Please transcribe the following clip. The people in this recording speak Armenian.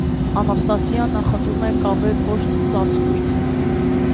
Անաստասիան նախընտրում է կավե կոշտ ծածկույթը։